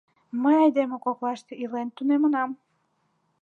— Мый айдеме коклаште илен тунемынам.